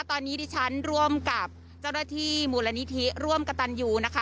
ตอนนี้ดิฉันร่วมกับเจ้าหน้าที่มูลนิธิร่วมกระตันยูนะคะ